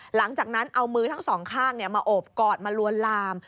หลังจากนั้นเอามือทั้งสองข้างมาโอบกอดมาลวนลาม